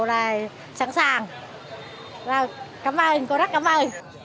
là sẵn sàng cảm ơn cô rất cảm ơn